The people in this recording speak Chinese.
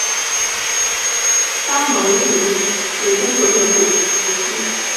巴盟乌北林场是中国内蒙古自治区巴彦淖尔市乌拉特中旗下辖的一个类似乡级单位。